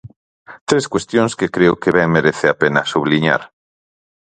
Tres cuestións que creo que ben merece a pena subliñar.